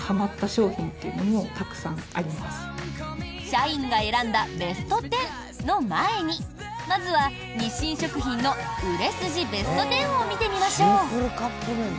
社員が選んだベスト１０の前にまずは日清食品の売れ筋ベスト１０を見てみましょう。